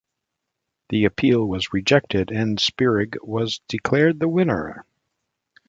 The appeal was rejected and Spirig was declared the winner.